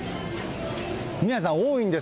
宮根さん、多いんです。